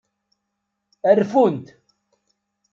Ad rfunt.